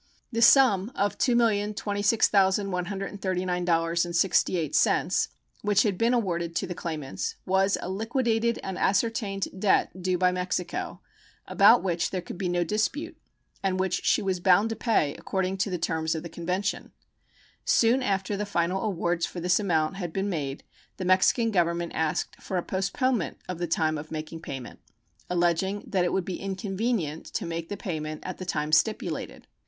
The sum of $2,026,139.68, which had been awarded to the claimants, was a liquidated and ascertained debt due by Mexico, about which there could be no dispute, and which she was bound to pay according to the terms of the convention. Soon after the final awards for this amount had been made the Mexican Government asked for a postponement of the time of making payment, alleging that it would be inconvenient to make the payment at the time stipulated.